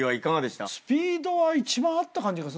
スピードは一番あった感じがすんだけどね。